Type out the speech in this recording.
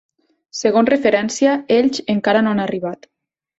Segons referència, ells encara no han arribat.